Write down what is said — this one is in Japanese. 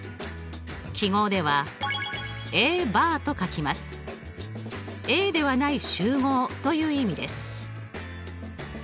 記号ではＡではない集合という意味です。